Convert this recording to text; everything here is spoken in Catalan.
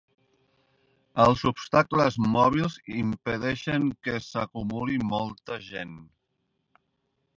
Els obstacles mòbils impedeixen que s'acumuli molta gent.